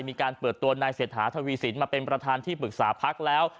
มีการเปิดตัวนายเศรษฐาทวีสินมาเป็นประธานที่ปรึกษาพักแล้ว